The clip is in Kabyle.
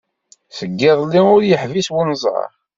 Seg yiḍelli ur yeḥbis wenẓar.